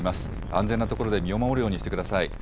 安全な所で身を守るようにしてください。